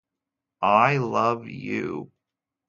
I Luv U.